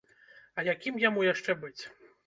А якім яму яшчэ быць?